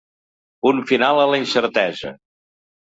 Punt final a la incertesa.